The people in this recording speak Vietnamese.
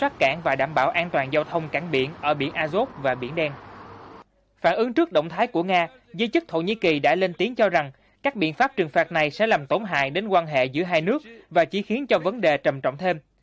tổng thống thổ nhĩ kỳ đã lên tiếng cho rằng các biện pháp trừng phạt này sẽ làm tổn hại đến quan hệ giữa hai nước và chỉ khiến cho vấn đề trầm trọng thêm